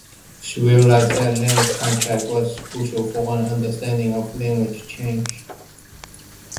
She realized that language contact was crucial for an understanding of language change.